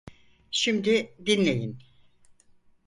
Şimdi, dinleyin.